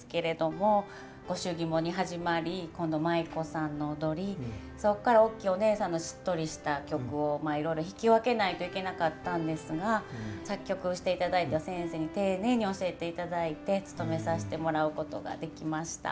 御祝儀物に始まり今度舞妓さんの踊りそっからおっきいおねえさんのしっとりした曲をいろいろ弾き分けないといけなかったんですが作曲をしていただいた先生に丁寧に教えていただいてつとめさせてもらうことができました。